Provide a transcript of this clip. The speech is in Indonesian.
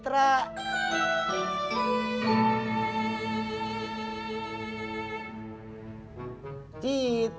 tidak ada kak